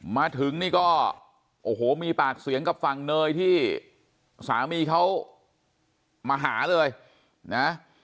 มาถึงนี่ก็โอ้โหมีปากเสียงกับฝั่งเนยที่สามีเขามาหาเลยนะ